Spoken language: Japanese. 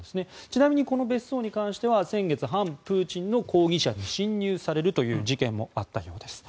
ちなみにこの別荘に関しては先月、反プーチンの抗議者に侵入されるという事件もあったようです。